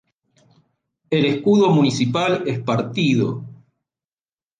El escudo municipal es partido.